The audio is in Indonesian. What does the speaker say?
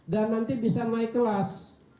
dan nanti bisa naik kelas